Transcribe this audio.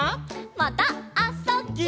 また「あ・そ・」。「ぎゅ」